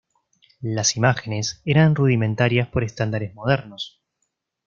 Las imágenes eran rudimentarias por estándares modernos.